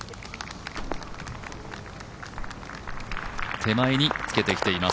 手前につけてきています。